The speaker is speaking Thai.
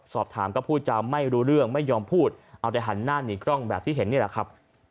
สอบถามก็พูดจะไม่รู้เรื่องไม่ยอมพูดเอาแต่หันหน้าหนีกล้องแบบที่เห็นนี่แหละครับ